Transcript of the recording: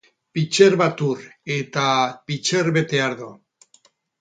Pitxer bat ur, eta pitxer bete ardo.